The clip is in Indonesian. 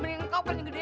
mending kau keren gedean